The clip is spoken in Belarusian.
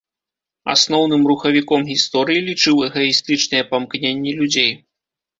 Асноўным рухавіком гісторыі лічыў эгаістычныя памкненні людзей.